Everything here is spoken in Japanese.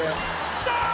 来た！